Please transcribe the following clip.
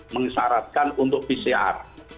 mengesaratkan untuk pcr